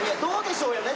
どうでしょう？